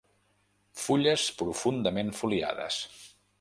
Fulles profundament foliades.